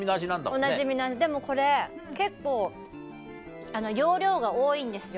おなじみの味でもこれ結構容量が多いんですよ